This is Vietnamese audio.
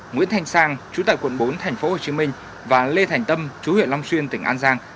nguyễn thành sang chú tại quận bốn tp hcm và lê thành tâm chú huyện long xuyên tỉnh an giang